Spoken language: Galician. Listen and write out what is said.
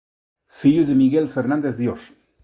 Fillo de Miguel Fernández Dios.